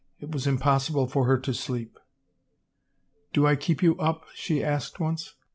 It was impossible for her to sleep. " Do I keep you up ?" she asked once.